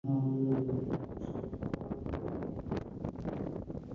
বিজ্ঞাপন প্রদর্শনের ট্রাফিক আনার ক্ষেত্রেও চতুর্থ বৃহত্তম ক্যাটাগরি হচ্ছে অ্যাডাল্ট সাইট।